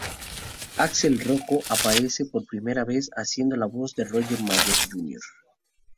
Alex Rocco aparece por primera vez haciendo la voz de Roger Meyers, Jr.